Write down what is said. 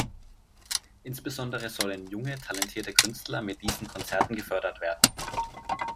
Insbesondere sollen junge, talentierte Künstler mit diesen Konzerten gefördert werden.